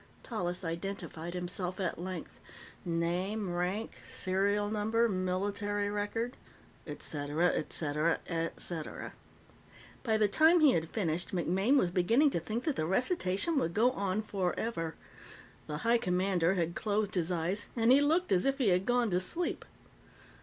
Tallis identified himself at length name, rank, serial number, military record, et cetera, et cetera, et cetera. By the time he had finished, MacMaine was beginning to think that the recitation would go on forever. The High Commander had closed his eyes, and he looked as if he had gone to sleep.